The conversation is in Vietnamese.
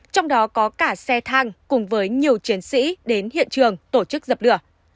trong đó có cả xe thang cùng với nhiều chiến sĩ đến hiện trường tổ chức dập lửa